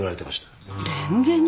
れんげに？